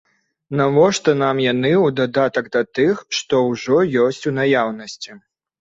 Навошта нам яны ў дадатак да тых, што ўжо ёсць у наяўнасці?